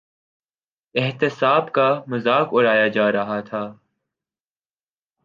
احتساب کا مذاق اڑایا جا رہا تھا۔